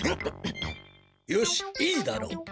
よしいいだろう。